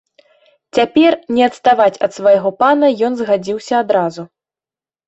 Цяпер не адставаць ад свайго пана ён згадзіўся адразу.